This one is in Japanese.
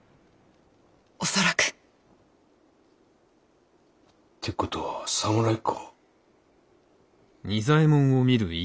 恐らく。って事は侍か。